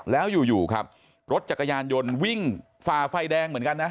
แล้วอยู่ครับรถจักรยานยนต์วิ่งฝ่าไฟแดงเหมือนกันนะ